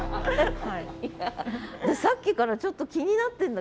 でさっきからちょっと気になってんだけど